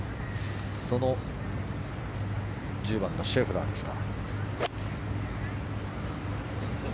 その１０番のシェフラーです。